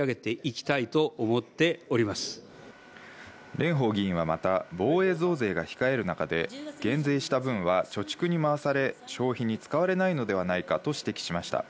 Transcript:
蓮舫議員はまた、防衛増税が控える中で減税した分は貯蓄に回され、商品に使われないのではないかと指摘しました。